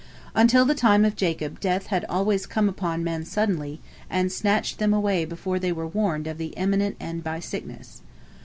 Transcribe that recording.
Until the time of Jacob death had always come upon men suddenly, and snatched them away before they were warned of the imminent end by sickness.